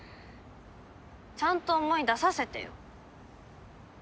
ちゃんと思い出させてよ。